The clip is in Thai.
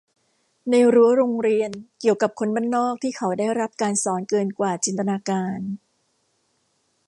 ในรั้วโรงเรียนเกี่ยวกับคนบ้านนอกที่เขาได้รับการสอนเกินกว่าจินตนาการ